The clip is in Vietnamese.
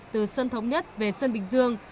từ sơn thống nhất về sơn bình dương